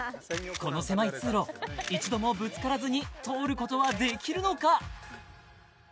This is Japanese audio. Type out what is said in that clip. この狭い通路一度もぶつからずに通ることはできるのか？